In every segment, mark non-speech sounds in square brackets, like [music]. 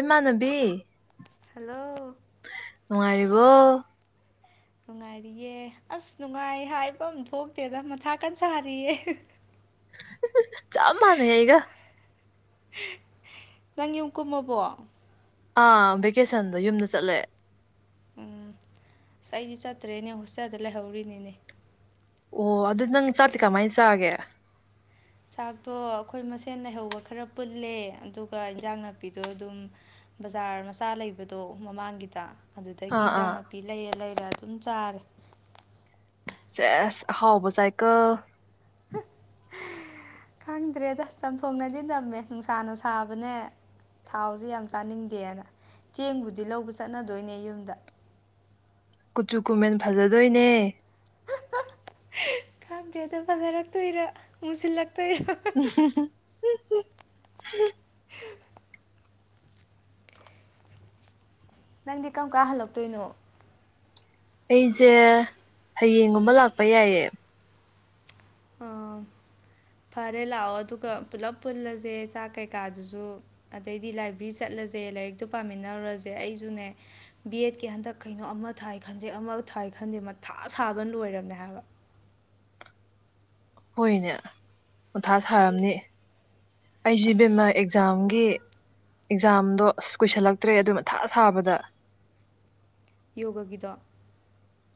ꯏꯃꯥꯟꯅꯕꯤ ꯍꯜꯂꯣ ꯅꯨꯡꯉꯥꯏꯔꯤꯕꯣ ꯅꯨꯡꯉꯥꯏꯔꯤꯌꯦ ꯑꯁ ꯅꯨꯡꯉꯥꯏ ꯍꯥꯏꯕ ꯑꯃ ꯊꯣꯛꯇꯦꯗ ꯃꯊꯥꯀꯟ ꯁꯥꯔꯤꯌꯦ ꯆꯃꯅꯦ ꯑꯩꯒ ꯅꯪ ꯌꯨꯝ ꯀꯨꯝꯃꯕꯣ ꯑꯥ ꯚꯦꯀꯦꯁꯟꯗ ꯌꯨꯝꯗ ꯆꯠꯂꯦ ꯎꯝ ꯑꯁ ꯑꯩꯗꯤ ꯆꯠꯇ꯭ꯔꯦꯅꯦ ꯍꯣꯁꯇꯦꯜꯗ ꯂꯩꯍꯧꯔꯤꯅꯤꯅꯦ ꯑꯣ ꯑꯗꯨ ꯅꯪ ꯆꯥꯇꯤ ꯀꯃꯥꯏꯅ ꯆꯥꯒꯦ ꯆꯥꯛꯇꯣ ꯑꯩꯈꯣꯏ ꯃꯁꯦꯟ ꯂꯩꯍꯧꯕ ꯈꯔ ꯄꯨꯜꯂꯦ ꯑꯗꯨꯒ ꯏꯟꯖꯥꯡ ꯅꯥꯄꯤꯗꯣ ꯑꯗꯨꯝ ꯕꯖꯥꯔ ꯃꯆꯥ ꯂꯩꯕꯗꯣ ꯃꯃꯥꯡꯒꯤꯗ ꯑꯗꯨꯗꯒꯤ ꯑꯥ ꯏꯟꯖꯥꯡ ꯑꯥ ꯅꯥꯄꯤ ꯂꯩꯔ ꯂꯩꯔ ꯑꯗꯨꯝ ꯆꯥꯔꯦ ꯆꯦꯁ ꯍꯥꯎꯕ ꯁꯥꯏꯀꯜ ꯈꯪꯗ꯭ꯔꯦꯗ ꯆꯝꯊꯣꯡꯅꯗꯤ ꯅꯝꯃꯦ ꯅꯨꯡꯁꯥꯅ ꯁꯥꯕꯅꯦ ꯊꯥꯎꯁꯦ ꯌꯥꯝ ꯆꯥꯅꯤꯡꯗꯦꯅ ꯆꯦꯡꯕꯨꯗꯤ ꯂꯧꯕ ꯆꯠꯅꯗꯣꯏꯅꯦ ꯌꯨꯝꯗ ꯀꯨꯆꯨ ꯀꯨꯃꯦꯟ ꯐꯖꯗꯣꯏꯅꯦ ꯈꯥꯡꯗ꯭ꯔꯦꯗ ꯐꯖꯔꯛꯇꯨꯏꯔ ꯃꯨꯁꯤꯜꯂꯛ [unintelligible] ꯎ ꯅꯪꯗꯤ ꯀꯔꯝ ꯀꯥ ꯍꯜꯂꯛꯇꯣꯏꯅꯣ ꯑꯩꯁꯦ ꯍꯌꯦꯡꯒꯨꯝꯕ ꯂꯥꯛꯄ ꯌꯥꯏꯌꯦ ꯑ ꯐꯔꯦ ꯂꯥꯛꯑꯣ ꯑꯗꯨꯒ ꯄꯨꯂꯞ ꯄꯨꯜꯂꯁꯦ ꯆꯥꯛ ꯀꯩꯀꯥꯗꯨꯁꯨ ꯑꯗꯩꯗꯤ ꯂꯥꯏꯕ꯭ꯔꯦꯔꯤ ꯆꯠꯂꯒ ꯖꯦ ꯂꯥꯏꯔꯤꯛꯇꯨ ꯄꯥꯃꯤꯟꯅꯔꯨꯔꯁꯦ ꯑꯩꯁꯨꯅꯦ ꯕꯤꯑꯦꯗꯀꯤ ꯍꯟꯗꯛ ꯀꯩꯅꯣ ꯑꯃ ꯊꯥꯏ ꯈꯟꯗꯦ ꯑꯃ ꯊꯥ ꯑꯥꯏ ꯈꯟꯗꯦ ꯃꯊꯥ ꯁꯥꯕꯅ ꯂꯣꯏꯔꯕꯝꯅꯦ ꯍꯥꯏꯕ ꯍꯣꯏꯅꯦ ꯃꯊꯥ ꯁꯥꯔꯝꯅꯤ ꯑꯩꯁꯨ ꯏꯕꯦꯝꯃ ꯑꯁ ꯑꯦꯛꯖꯥꯝꯒꯤ ꯑꯦꯛꯖꯥꯝꯗꯣ ꯑꯁ ꯀꯨꯁꯤꯜꯂꯛꯇ꯭ꯔꯦ ꯑꯗꯨ ꯃꯊꯥ ꯁꯥꯕꯗ ꯌꯣꯒꯒꯤꯗꫭ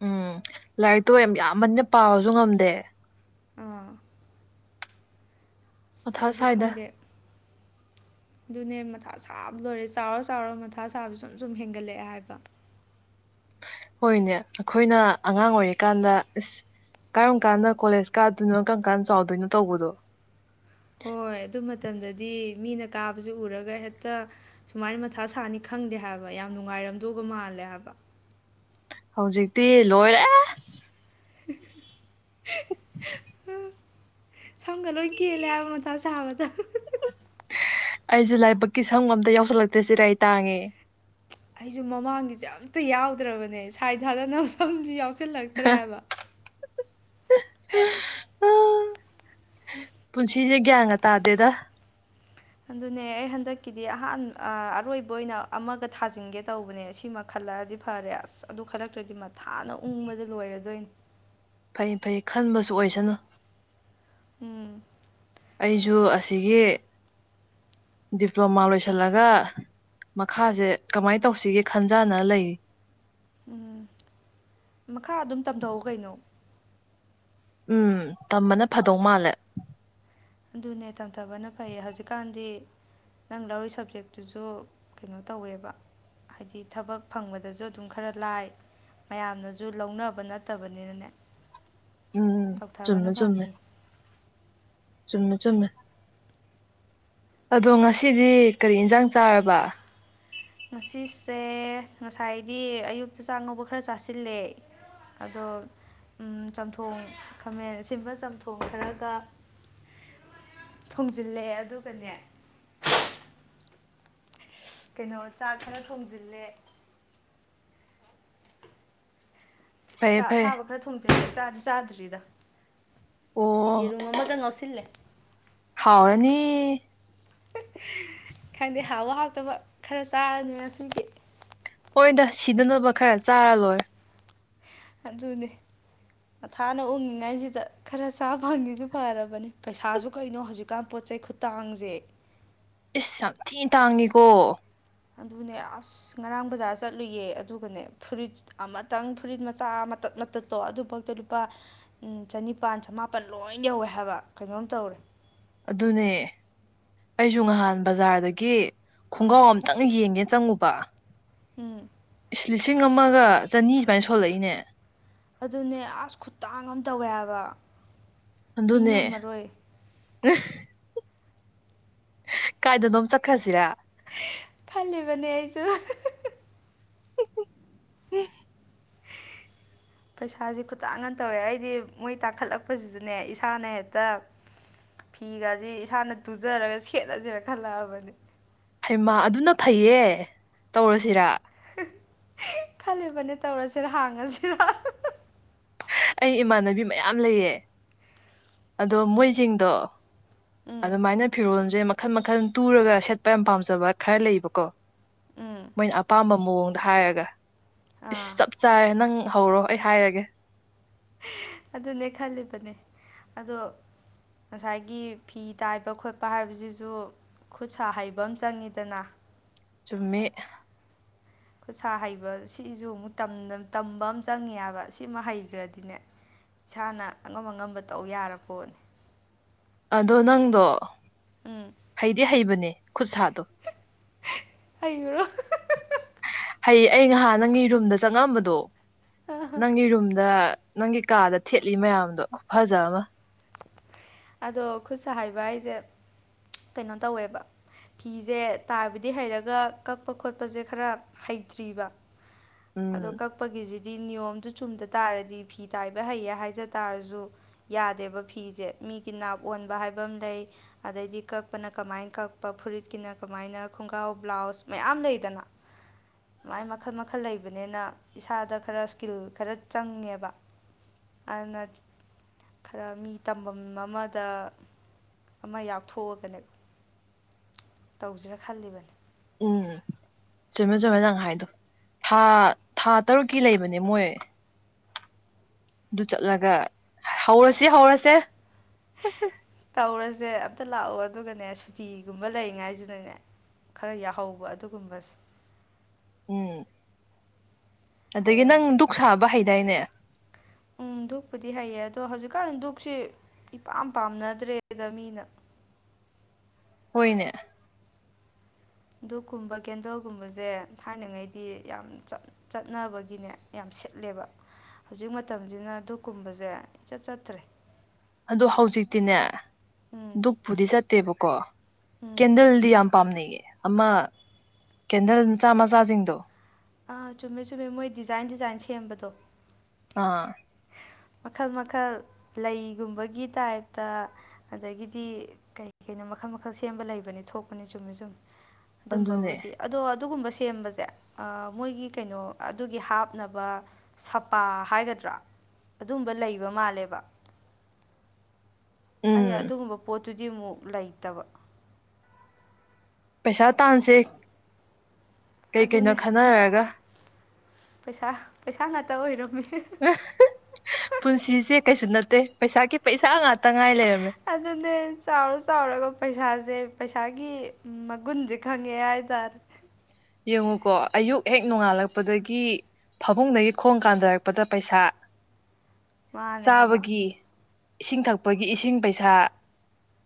ꯎꯝ ꯂꯥꯏꯔꯤꯛꯇꯣ ꯌꯥꯝ ꯌꯥꯝꯕꯅꯤꯅ ꯄꯥꯕꯁꯨ ꯉꯝꯗꯦ ꯑꯥ ꯑꯁ ꯃꯊꯥ ꯑꯩꯁꯨ ꯁ꯭ꯋꯥꯏꯗ ꯈꯪꯗꯦ ꯑꯗꯨꯅꯦ ꯃꯊ ꯊꯥ ꯁꯥꯕꯗ ꯂꯣꯏꯔꯦ ꯆꯥꯎꯔ ꯆꯥꯎꯔ ꯃꯊꯥ ꯁꯥꯕꯁꯨ ꯁꯨꯝ ꯁꯨꯝ ꯍꯦꯟꯒꯠꯂꯛꯑꯦ ꯍꯥꯏꯕ ꯍꯣꯏꯅꯦ ꯑꯩꯈꯣꯏꯅ ꯑꯉꯥꯡ ꯑꯣꯏꯔꯤꯀꯥꯟꯗ ꯑꯁ ꯀꯔꯝ ꯀꯥꯟꯗ ꯀꯣꯂꯦꯖ ꯀꯥꯗꯣꯏꯅꯣ ꯀꯔꯝ ꯀꯥꯟꯗ ꯆꯥꯎꯗꯣꯏꯅꯣ ꯇꯧꯕꯗꯣ ꯍꯣꯏ ꯑꯗꯨ ꯃꯇꯝꯗꯗꯤ ꯃꯤꯅ ꯀꯥꯕꯁ ꯎꯔꯒ ꯍꯦꯛꯇ ꯁꯨꯃꯥꯏꯅ ꯃꯊꯥ ꯁꯥꯅꯤ ꯈꯪ ꯈꯪꯗꯦ ꯍꯥꯏꯕ ꯌꯥꯝ ꯅꯨꯡꯉꯥꯏꯔꯝꯗꯧꯕ ꯃꯥꯜꯂꯦ ꯍꯥꯏꯕ ꯍꯧꯖꯤꯛꯇꯤ ꯂꯣꯏꯔꯦ [unintelligible] ꯁꯝꯒ ꯂꯣꯏ ꯀꯦꯜꯂꯦ ꯍꯥꯏꯕ ꯃꯊꯥ ꯁꯥꯕꯗ ꯑꯩꯁꯨ ꯂꯥꯏꯕꯛꯀꯤ ꯁꯝꯒ ꯑꯝꯇ ꯌꯥꯎꯁꯜꯂꯛꯇ꯭ꯔꯦ ꯆꯤꯔꯥꯏ ꯇꯥꯡꯉꯦ ꯑꯩꯁꯨ ꯃꯃꯥꯡꯒꯤꯁꯦ ꯑꯝꯇ ꯌꯥꯎꯗ꯭ꯔꯕꯅꯦ ꯁꯥꯏ ꯊꯥꯗꯅꯕ ꯁꯝꯁꯨ ꯌꯥꯎꯁꯤꯜꯂꯛꯇ꯭ꯔꯦꯕ ꯄꯨꯟꯁꯤꯁꯦ ꯒ꯭ꯌꯥꯟꯒ ꯇꯥꯗꯦꯗ ꯑꯗꯨꯅꯦ ꯑꯩ ꯍꯟꯗꯛꯀꯤꯗꯤ ꯑꯍꯥꯟ ꯑꯔꯣꯏꯕ ꯑꯣꯏꯅ ꯑꯃꯒ ꯊꯥꯖꯤꯟꯒꯦ ꯇꯧꯕꯅꯦ ꯁꯤꯃꯈꯜ ꯂꯛꯑꯗꯤ ꯐꯔꯦ ꯑꯁ ꯑꯗꯨ ꯈꯜꯂꯛꯇ꯭ꯔꯗꯤ ꯃꯊꯥꯅ ꯎꯪꯕꯗ ꯂꯣꯏꯔꯗꯣꯏꯅꯤ ꯐꯩ ꯐꯩ ꯈꯟꯕꯁꯨ ꯑꯣꯏꯁꯅꯨ ꯎꯝ ꯑꯩꯁꯨ ꯑꯁꯤꯒꯤ ꯗꯤꯄ꯭ꯂꯣꯃꯥ ꯂꯣꯏꯁꯤꯜꯂꯒ ꯃꯈꯥꯁꯦ ꯀꯃꯥꯏ ꯇꯧꯁꯤꯒꯦ ꯈꯟꯖꯥꯟꯅ ꯂꯩꯔꯤ ꯎꯝ ꯃꯈꯥ ꯑꯗꯨꯝ ꯇꯝꯊꯧ ꯀꯩꯅꯣ ꯎꯝ ꯇꯝꯕꯅ ꯐꯗꯧ ꯃꯥꯜꯂꯦ ꯑꯗꯨꯅꯦ ꯇꯝꯊꯕꯅ ꯐꯩꯌꯦ ꯍꯧꯖꯤꯛꯀꯥꯟꯗꯤ ꯅꯪ ꯂꯧꯔꯤ ꯁꯕꯖꯦꯛꯇꯨꯁꯨ ꯀꯩꯅꯣ ꯇꯧꯋꯦꯕ ꯍꯥꯏꯗꯤ ꯊꯕꯛ ꯐꯪꯕꯗꯁꯨ ꯑꯗꯨꯝ ꯈꯔ ꯂꯥꯏ ꯃꯌꯥꯝꯅꯁꯨ ꯂꯧꯅꯕ ꯅꯠꯇꯕꯅꯤꯅꯅꯦ ꯎꯝ ꯆꯨꯝꯃꯦ ꯇꯧꯊꯥꯕꯅ ꯆꯨꯝꯃꯦ ꯐꯅꯤ ꯆꯨꯝꯃꯦ ꯆꯨꯝꯃꯦ ꯑꯗꯣ ꯉꯁꯤꯗꯤ ꯀꯔꯤ ꯏꯟꯁꯥꯡ ꯆꯥꯔꯕ ꯉꯁꯤꯁꯦ ꯉꯁꯥꯏꯗꯤ ꯑꯌꯨꯛꯇ ꯆꯥꯛꯉꯧꯕ ꯈꯔ ꯆꯥꯁꯤꯜꯂꯦ ꯑꯗꯣ ꯎꯝ ꯆꯝꯊꯣꯡ ꯈꯃꯦꯟ ꯑꯁꯤꯟꯕ ꯆꯝꯊꯣꯡ ꯈꯔꯒ ꯊꯣꯡꯖꯤꯜꯂꯦ ꯑꯗꯨꯒꯅꯦ ꯀꯩꯅꯣ ꯆꯥꯛ ꯈꯔ ꯊꯣꯡꯖꯤꯜꯂꯦ ꯐꯩꯌꯦ ꯆꯥꯛ ꯐꯩꯌꯦ ꯑꯁꯥꯕ ꯈꯔ ꯊꫭꯡꯖꯤꯜꯂꯦ ꯆꯥꯗꯤ ꯆꯥꯗ꯭ꯔꯤꯗ ꯑꯣ ꯌꯦꯔꯨꯝ ꯑꯃꯗ ꯉꯧꯁꯤꯜꯂꯦ ꯍꯥꯎꯔꯅꯤ ꯈꯪꯗꯦ ꯍꯥꯎꯕ ꯍꯥꯎꯇꯕ ꯈꯔ ꯆꯥꯔꯅꯤ ꯉꯁꯤꯒꯤ ꯍꫭꯗ ꯁꯤꯗꯅꯕ ꯈꯔ ꯆꯥꯔ ꯂꯣꯏꯔꯦ ꯑꯗꯨꯅꯦ ꯃꯊꯥꯅ ꯎꯛꯉꯉꯥꯏꯁꯤꯗ ꯈꯔ ꯆꯥꯕ ꯐꯪꯉꯤꯁꯨ ꯐꯔꯕꯅꯤ ꯄꯩꯁꯥꯁꯨ ꯀꯩꯅꯣ ꯍꯧꯖꯤꯛꯀꯥꯟ ꯄꯣꯠ ꯆꯩ ꯈꯨꯇꯥꯡꯖꯦ ꯏꯁ ꯌꯥꯝ ꯊꯤ ꯇꯥꯡꯉꯤꯀꯣ ꯑꯗꯨꯅꯦ ꯑꯁ ꯉꯔꯥꯡ ꯕꯖꯥꯔ ꯆꯠꯂꯨꯏꯌꯦ ꯑꯗꯨꯒꯅꯦ ꯐꯨꯔꯤꯠ ꯑꯃꯇꯪ ꯐꯨꯔꯤꯠ ꯃꯆꯥ ꯑꯃ ꯃꯇꯠ ꯃꯇꯠꯇꫭ ꯑꯗꯨꯐꯥꯎꯗ ꯂꯨꯄꯥ ꯎꯝ ꯆꯅꯤꯄꯥꯟ ꯆꯃꯥꯄꯟ ꯂꯣꯏ ꯌꯧꯋꯦ ꯍꯥꯏꯕ ꯀꯩꯅꯣꯝ ꯇꯧꯔꯦ ꯑꯗꯨꯅꯦ ꯑꯩꯁꯨ ꯅꯍꯥꯟ ꯕꯖꯥꯔꯗꯒꯤ ꯈꯣꯡꯒꯥꯎ ꯑꯝꯇꯪ ꯌꯦꯡꯒꯦ ꯆꯪꯉꯨꯕ ꯎꯝ ꯂꯤꯁꯤꯡ ꯑꯃꯒ ꯆꯅꯤ ꯁꯨꯃꯥꯏ ꯁꯣꯜꯂꯛꯏꯅꯦ ꯑꯗꯨꯅꯦ ꯑꯁ ꯈꯨꯇꯥꯡ ꯑꯃ ꯇꯧꯋꯦ ꯍꯥꯏꯕ ꯍꯤꯡ ꯑꯗꯨꯅꯦ ꯉꯝꯃꯔꯣꯏ ꯀꯥꯏꯗꯅꯣꯝ ꯆꯠꯈ꯭ꯔꯁꯤꯔ ꯈꯜꯂꯤꯕꯅꯦ ꯑꯩꯁꯨ ꯍꯨ ꯍꯨ ꯍꯨ ꯄꯩꯁꯥꯁꯦ ꯈꯨꯇꯥꯡ ꯃ ꯇꯧꯋꯦ ꯑꯩꯗꯤ ꯃꯣꯏ ꯇꯥꯡꯈꯠꯂꯛꯄꯁꯤꯗꯅꯦ ꯏꯁꯥꯅ ꯍꯦꯛꯇ ꯐꯤꯒꯖꯤ ꯏꯁꯥꯅ ꯇꯨꯖꯔꯒ ꯁꯦꯠꯂꯖꯤꯅ ꯈꯜꯂꯛꯑꯕꯅꯦ ꯍꯩꯃ ꯑꯗꯨꯅ ꯐꯩꯌꯦ ꯇꯧꯔꯁꯤꯔ ꯈꯜꯂꯤꯕꯅꯦ ꯇꯧꯔꯁꯤꯔ ꯍꯥꯡꯉꯁꯤꯔ ꯑꯩ ꯏꯃꯥꯟꯅꯕꯤ ꯃꯌꯥꯝ ꯂꯩꯌꯦ ꯑꯗꯣ ꯃꯣꯏꯁꯤꯡꯗꯣ ꯎꯝ ꯑꯗꯨꯃꯥꯏꯅ ꯐꯤꯔꯣꯜꯖꯦ ꯃ ꯃꯈꯜ ꯃꯈꯜ ꯇꯨꯔꯒ ꯁꯦꯠꯄ ꯌꯥꯝ ꯄꯥꯝꯖꯕ ꯈꯔ ꯂꯩꯕꯀꯣ ꯎꯝ ꯃꯣꯏꯅ ꯑꯄꯥꯝꯕ ꯃꯑꯣꯡ ꯍꯥꯏꯔꯒ ꯏꯁ ꯑꯥ ꯆꯞ ꯆꯥꯔꯦ ꯅꯪ ꯍꯧꯔꯣ ꯑꯩ ꯍꯥꯏꯔꯒꯦ ꯑꯗꯨꯅꯦ ꯈꯜꯂꯤꯕꯅꯦ ꯑꯗꯣ ꯉꯁꯥꯏꯒꯤ ꯐꯤ ꯇꯥꯏꯕ ꯈꯣꯠꯄ ꯍꯥꯏꯕꯖꯤꯖꯨ ꯈꯨꯠ ꯁꯥ ꯍꯩꯕ ꯑꯃ ꯆꯪꯉꯤꯗꯅ ꯆꯨꯝꯃꯤ ꯈꯨꯠ ꯁꯥ ꯍꯩꯕ ꯁꯤꯖꯨ ꯑꯃꯨꯛ ꯇꯝꯗ ꯇꯝꯕ ꯑꯝ ꯆꯪꯉꯤ ꯍꯥꯏꯕ ꯁꯤꯃ ꯍꯩꯒ꯭ꯔꯗꯤꯅꯦ ꯏꯁꯥꯅ ꯑꯉꯝ ꯑꯉꯝꯕ ꯇꯧ ꯌꯥꯔꯄꯣꯠꯅꯦ ꯑꯗꯣ ꯅꯪꯗꯣ ꯍꯩꯗꯤ ꯍꯩꯕꯅꯦ ꯈꯨꯠ ꯁꯥꯗꯣ ꯍꯩꯌꯨꯔꯣ ꯍꯩ ꯑꯩ ꯅꯍꯥꯟ ꯅꯪꯒꯤ ꯔꯨꯝꯗ ꯆꯪꯉꯝꯕꯗꯣ ꯅꯪꯒꯤ ꯔꯨꯝꯗ ꯅꯪꯒꯤ ꯀꯥꯗ ꯊꯦꯠꯂꯤ ꯃꯌꯥꯝꯗꫭ ꯈꯨꯐꯖ ꯑꯃ ꯑꯗꯣ ꯈꯨꯠ ꯁꯥ ꯍꯩꯕ ꯍꯥꯏꯖꯦ ꯀꯩꯅꯣ ꯇꯧꯋꯦꯕ ꯐꯤꯖꯦ ꯇꯥꯏꯕꯗꯤ ꯍꯩꯔꯒ ꯀꯛꯄ ꯈꯣꯠꯄꯖꯦ ꯈꯔ ꯍꯩꯇ꯭ꯔꯤꯕ ꯑꯗꯣ ꯎꯝ ꯀꯛꯄꯒꯤꯖꯤ ꯗꯤ ꯅꯤꯌꯣꯝꯗꯨ ꯆꯨꯝꯗ ꯇꯥꯔꯗꯤ ꯐꯤ ꯇꯥꯏꯕ ꯍꯩꯌꯦ ꯍꯥꯏꯖ ꯇꯥꯔꯖꯨ ꯌꯥꯗꯦꯕ ꯐꯤꯖꯦ ꯃꯤꯒꯤ ꯅꯥꯞ ꯑꯣꯟꯕ ꯍꯥꯏꯕ ꯑꯃ ꯂꯩ ꯑꯗꯩꯗꯤ ꯀꯛꯄꯅ ꯀꯃꯥꯏ ꯀꯛꯄ ꯐꯨꯔꯤꯠꯀꯤꯅ ꯀꯃꯥꯏꯅ ꯈꯣꯡꯒꯥꯎ ꯕ꯭ꯂꯥꯎꯁ ꯃꯌꯥꯝ ꯂꯩꯗꯅ ꯑꯗꯨꯃꯥꯏ ꯃꯈꯜ ꯃꯈꯜ ꯂꯩꯕꯅꯤꯅ ꯏꯁꯥꯗ ꯈꯔ ꯏꯁꯀꯤꯜ ꯈꯔ ꯆꯪꯉꯦꯕ ꯑꯗꯨꯅ ꯈꯔ ꯃꯤ ꯇꯝ ꯐꯝ ꯑꯃꯗ ꯑꯃ ꯌꯥꯎꯊꯣꯛꯑꯒꯅꯦ ꯇꯧꯖꯤꯔꯥ ꯈꯜꯂꯤꯕꯅꯦ ꯎꯝ ꯆꯨꯝꯃꯦ ꯆꯨꯝꯃꯦ ꯅꯪ ꯍꯥꯏꯗꯣ ꯊꯥ ꯊꯥ ꯇꯔꯨꯛꯀꯤ ꯂꯩꯕꯅꯦ ꯃꯣꯏ ꯑꯗꯨ ꯆꯠꯂꯒ ꯍꯧꯔꯁꯤ ꯍꯧꯔꯁꯦ ꯖꯦ ꯑꯝꯇ ꯂꯥꯛꯑꯣ ꯑꯗꯨꯒꯅꯦ ꯁꯨꯇꯤꯒꯨꯝꯕ ꯂꯩꯉꯥꯏꯖꯤꯗꯅꯦ ꯈꯔ ꯌꯥꯎꯍꯧꯕ ꯑꯗꯨꯒꯨꯝꯕꯁꯤ ꯎꯝ ꯑꯗꯒꯤ ꯍꯌꯦꯡ ꯅꯪ ꯗꯨꯛ ꯁꯥꯕ ꯍꯩꯗꯥꯏꯅꯦ ꯎꯝ ꯙꯨꯛꯄꯨꯗꯤ ꯍꯩꯌꯦ ꯑꯗꯣ ꯍꯧꯖꯤꯛꯀꯥꯟ ꯗꯨꯛꯁꯤ ꯏꯄꯥꯝ ꯄꯥꯝꯅꯗ꯭ꯔꯦꯗ ꯃꯤꯅ ꯍꯣꯏꯅꯦ ꯗꯨꯛꯀꯨꯝꯕ ꯀꯦꯟꯗꯜꯒꯨꯝꯕꯁꯦ ꯊꯥꯏꯅꯉꯩꯗꯤ ꯌꯥꯝ ꯆꯠꯅꯕꯒꯤꯅꯦ ꯌꯥꯝ ꯁꯤꯠꯂꯦꯕ ꯍꯧꯖꯤꯛ ꯃꯇꯝꯁꯤꯅ ꯛ ꯀꯨꯝꯕꯁꯦ ꯏꯆꯠ ꯆꯠꯇ꯭ꯔꯦ ꯑꯗꯣ ꯍꯧꯖꯤꯛꯇꯤꯅꯦ ꯎꯝ ꯗꯨꯛꯄꯨꯗꯤ ꯆꯠꯇꯦꯕꯀꯣ ꯎꯝ ꯀꯦꯟꯗꯜꯗꯤ ꯌꯥꯝ ꯄꯥꯝꯅꯩꯌꯦ ꯑꯃ ꯀꯦꯟꯗꯜ ꯃꯆꯥ ꯃꯆꯥꯁꯤꯡꯗꯣ ꯑꯥ ꯆꯨꯝꯃꯦ ꯆꯨꯝꯃꯦ ꯃꯣꯏ ꯗꯤꯖꯥꯏꯟ ꯗꯤꯖꯥꯏꯟ ꯁꯦꯝꯕꯗꯣ ꯑꯥ ꯃꯈꯜ ꯃꯈꯜ ꯂꯩꯒꯨꯝꯕꯒꯤ ꯇꯥꯏꯞꯇ ꯑꯗꯒꯤꯗꯤ ꯀꯩ ꯀꯩꯅꯣ ꯃꯈꯜ ꯃꯈꯜ ꯁꯦꯝꯕ ꯂꯩꯕꯅꯤ ꯊꯣꯛꯄꯅꯦ ꯆꯨꯝꯃꯦ ꯆꯨꯝ ꯑꯗꯨꯅꯦ ꯑꯗꯨꯝꯕꯕꯨꯗꯤ ꯑꯗꯣ ꯑꯗꯨꯒꯨꯝꯕ ꯁꯦꯝꯕꯁꯦ ꯃꯣꯏꯒꯤ ꯀꯩꯅꯣ ꯑꯗꯨꯒꯤ ꯍꯥꯞꯅꯕ ꯁꯄꯥ ꯍꯥꯏꯒꯗ꯭ꯔꯥ ꯑꯗꯨꯝꯕ ꯂꯩꯕ ꯃꯥꯜꯂꯦꯕ ꯑꯩ ꯎꯝ ꯑꯗꯨꯒꯨꯝꯕ ꯄꯣꯠ ꯑꯗꯨꯗꯤꯃꯨꯛ ꯂꯩꯇꯕ ꯄꯩꯁꯥ ꯇꯥꯟꯁꯦ ꯀꯩ ꯀꯩꯅꯣ ꯑꯗꯨꯅꯦ ꯈꯟꯅꯔꯒ ꯄꯩꯁꯥ ꯄꯩꯁꯥ ꯉꯥꯛꯇ ꯑꯣꯏꯔꯝꯃꯤ ꯄꯨꯟꯁꯤꯁꯦ ꯀꯩꯁꯨ ꯅꯠꯇꯦ ꯄꯩꯁꯥꯒꯤ ꯄꯩꯁꯥ ꯉꯥꯛꯇ ꯉꯥꯏ ꯂꯩꯔꯝꯃꯦ ꯑꯗꯨꯅꯦ ꯆꯥꯎꯔ ꯆꯥꯎꯔꯒ ꯄꯩꯁꯥꯁꯦ ꯄꯩꯁꯥꯒꯤ ꯃꯒꯨꯟꯖ ꯈꯪꯉꯦ ꯍꯥꯏꯇꯥꯔꯦ ꯌꯦꯡꯉꯨꯀꯣ ꯑꯌꯨꯛ ꯍꯦꯛ ꯅꯣꯡꯉꯥꯜꯂꯛꯄꯗꯒꯤ ꯐꯃꯨꯡꯗꯒꯤ ꯈꯣꯡ ꯀꯥꯟꯊꯔꯛꯄꯗ ꯄꯩꯁꯥ ꯃꯥꯅꯦ ꯍꯥꯏꯕ ꯆꯥꯕꯒꯤ ꯏꯁꯤꯡ ꯊꯛꯄꯒꯤ ꯏꯁꯤꯡ ꯄꯩꯁꯥ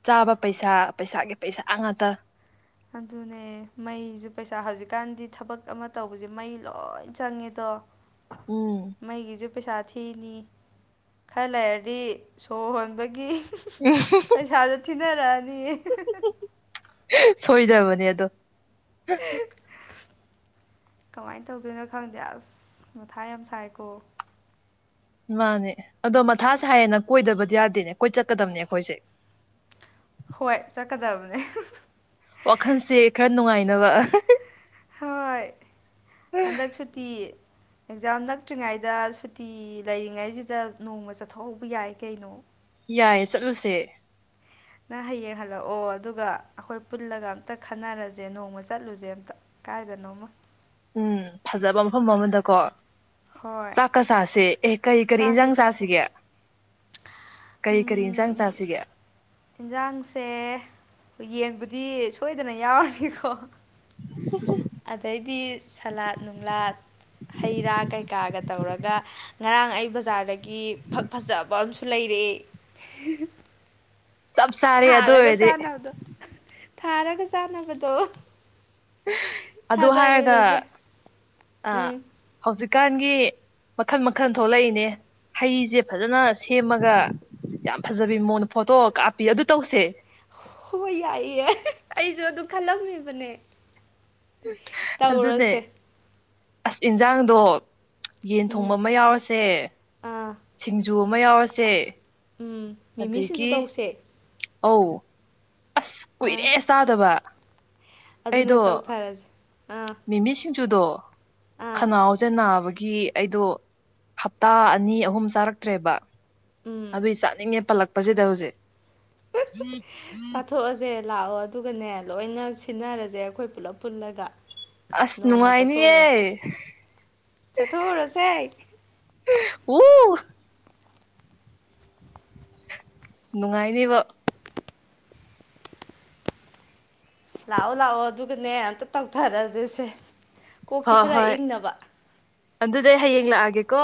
ꯆꯥꯕ ꯄꯩꯁꯥ ꯄꯩꯁꯥꯒꯤ ꯄꯩꯁꯥ ꯉꯥꯛꯇ ꯑꯗꯨꯅꯦ ꯃꯩꯁꯨ ꯄꯩꯁꯥ ꯍꯧꯖꯤꯛꯀꯥꯟꯗꯤ ꯊꯕꯛ ꯑꯃ ꯇꯧꯕꯁꯦ ꯃꯩ ꯂꯣꯏ ꯆꯪꯉꯦꯗꯣ ꯎꯝ ꯃꯩꯒꯤꯁꯨ ꯄꯩꯁꯥ ꯊꯤꯅꯤ ꯈꯔ ꯂꯩꯔꯗꯤ ꯁꯣꯔ ꯍꯣꯟꯕꯒꯤ ꯄꯩꯁꯥꯁꯨ ꯊꯤꯅꯔꯛꯑꯅꯤꯌꯦ ꯁꯣꯏꯗ꯭ꯔꯕꯅꯦ ꯑꯗꯣ ꯀꯃꯥꯏꯅ ꯇꯧꯗꯣꯏꯅꯣ ꯈꯪꯗꯦ ꯑꯁ ꯃꯊꯥ ꯌꯥꯝ ꯁꯥꯏꯀꯣ ꯃꯥꯅꯦ ꯑꯗꯣ ꯃꯊꯥꯁꯦ ꯍꯥꯏꯌꯦꯦꯅ ꯀꯣꯏꯗꯕꯗꯤ ꯌꯥꯗꯦꯅꯦ ꯀꯣꯏ ꯆꯠꯀꯗꯕꯅꯦ ꯑꯩꯈꯣꯏꯁꯦ ꯍꯣꯏ ꯆꯠꯀꯗꯕꯅꯦ ꯋꯥꯈꯜꯁꯦ ꯈꯔ ꯅꯨꯡꯉꯥꯏꯅꯕ ꯍꯣꯏ ꯍꯟꯗꯛ ꯁꯨꯇꯤ ꯑꯦꯛꯖꯥꯝ ꯅꯛꯇ꯭ꯔꯤꯉꯩꯗ ꯁꯨꯇꯤ ꯂꯩꯔꯤꯉꯩꯁꯤꯗ ꯅꯣꯡꯃ ꯆꯠꯊꯣꯛꯍꯧꯕ ꯌꯥꯏ ꯀꯩꯅꯣ ꯌꯥꯏꯌꯦ ꯆꯠꯂꯨꯁꯦ ꯅꯪ ꯍꯌꯦꯡ ꯍꯜꯂꯛꯑꯣ ꯑꯗꯨꯒ ꯑꯩꯈꯣꯏ ꯄꯨꯜꯂꯒ ꯑꯝꯇ ꯈꯟꯅꯔꯁꯦ ꯅꯣꯡꯃ ꯆꯠꯂꯨꯁꯦ ꯑꯝꯇ ꯀꯥꯏꯗꯅꯣꯃ ꯎꯝ ꯐꯖꯕ ꯃꯐꯝ ꯑꯃꯗꯀꯣ ꯍꯣꯏ ꯆꯥꯛꯀ ꯆꯥꯁꯦ ꯑꯦ ꯀꯔꯤ ꯀꯔꯤ ꯏꯟꯁꯥꯡ ꯆꯥꯁꯤꯒꯦ ꯀꯔꯤ ꯀꯔꯤ ꯏꯟꯖꯥꯡ ꯆꯥꯁꯤꯒꯦ ꯌꯦꯟꯖꯥꯡꯁꯦ ꯌꯦ ꯗꯤ ꯁꯣꯏꯗꯅ ꯌꯥꯎꯔꯅꯤꯀꯣ ꯑꯗꯩꯗꯤ ꯁꯂꯥꯠ ꯅꯨꯡꯂꯥꯠ ꯍꯩ ꯔꯥ ꯀꯩ ꯇꯧꯔꯒ ꯉꯔꯥꯡ ꯑꯩ ꯕꯖꯥꯔꯗꯒꯤ ꯐ ꯐꯖꯕ ꯂꯩꯔꯛꯑꯦ ꯆꯞ ꯆꯥꯔꯦ ꯑꯗꯨ ꯊꯥꯔꯒ ꯑꯣꯏꯔꯗꯤ ꯆꯥꯅꯕꯗꯣ ꯊꯥꯔꯒ ꯆꯥꯅꯕꯗꯣ ꯑꯗꯨ ꯍꯥꯏꯔꯒ ꯊꯥꯗꯔꯨꯔꯁꯦ ꯑꯥ ꯎꯝ ꯍꯧꯖꯤꯛꯀꯥꯟꯒꯤ ꯃꯈꯟ ꯃꯈꯜ ꯊꯣꯛꯂꯛꯏꯅꯦ ꯍꯩꯁꯦ ꯐꯖꯅ ꯁꯦꯝꯃꯒ ꯌꯥꯝ ꯐꯖꯕꯤ ꯃꯣꯟꯅ ꯐꯣꯇꯣꯛ ꯍ ꯌꯥꯏ ꯑꯩꯁꯨ ꯑꯗꯨ ꯈꯜꯒ ꯃꯤ ꯃꯅꯦ ꯇꯧꯔꯁꯦ ꯑꯗꯨꯅꯦ ꯑꯁ ꯏꯟꯖꯥꯡꯗꯣ ꯌꯦꯟ ꯎꯝ ꯊꯣꯡꯕ ꯑꯃ ꯌꯥꯎꯔꯁꯦ ꯑꯥ ꯁꯤꯡꯖꯨ ꯑꯃ ꯌꯥꯎꯔꯁꯦ ꯎꯝ ꯃꯤꯃꯤꯁꯤꯡꯁꯨ ꯑꯗꯒꯤ ꯇꯧꯁꯦ ꯑꯧ ꯑꯁ ꯑꯥ ꯀꯨꯏꯔꯦ ꯆꯥꯗꯕ ꯑꯗꯨꯅ ꯑꯩꯗꯣ ꯇꯧꯊꯔꯁꯦ ꯑꯥ ꯃꯤꯃꯤ ꯁꯤꯡꯖꯨꯗꯣ ꯑꯥ ꯈꯅꯥꯎꯁꯦ ꯅꯥꯕꯒꯤ ꯒꯤ ꯑꯩꯗꯣ ꯍꯞꯇꯥ ꯑꯅꯤ ꯑꯍꯨꯝ ꯆꯥꯔꯛꯇ꯭ꯔꯦꯕ ꯎꯝ ꯑꯗꯨꯏ ꯆꯥꯅꯤꯡꯉꯦ ꯄꯜꯂꯛꯄꯁꯤꯗ ꯍꯧꯖꯤꯛ ꯆꯥꯊꯣꯛꯑꯁꯦ ꯂꯥꯛꯑꯣ ꯑꯗꯨꯒꯅꯦ ꯂꯣꯏꯅ ꯁꯤꯟꯅꯔꯁꯦ ꯑꯩꯈꯣꯏ ꯄꯨꯜꯂꯞ ꯄꯨꯜꯂꯒ ꯑꯁ ꯅꯨꯅꯨꯡꯉꯥꯏꯅꯤꯌꯦ ꯆꯊꯨꯔ ꯔꯁꯦ ꯎ ꯅꯨꯡꯉꯥꯏꯅꯦꯕ ꯂꯥꯛꯑꯣ ꯂꯥꯛꯑꯣ ꯑꯗꯨꯒꯅꯦ ꯑꯝꯇ ꯇꯧꯊꯔꯁꯤꯁꯦ ꯍꯣꯏ ꯍꯣꯏ ꯑꯗꯨꯗꯩ ꯍꯌꯦꯡ ꯂꯥꯛꯑꯒꯦꯀꯣ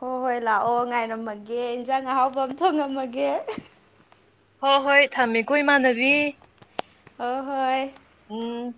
ꯍꯣꯏ ꯍꯣꯏ ꯂꯥꯛꯑꯣ ꯉꯥꯏꯔꯝꯃꯒꯦ ꯏꯟꯁꯥꯡ ꯑꯍꯥꯎꯕ ꯑꯃ ꯊꯣꯡꯉꯝꯃꯒꯦ ꯍꯣꯏ ꯍꯣꯏ ꯊꯝꯃꯦꯀꯣ ꯏꯃꯥꯟꯅꯕꯤ ꯑ ꯍꯣꯏ ꯎꯝ